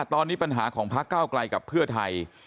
ตอนนี้ปัญหาของพักเก้าไกลกับเพื่อไทย